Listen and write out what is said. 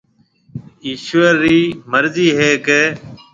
ايشوَر رِي مرضِي هيَ ڪيَ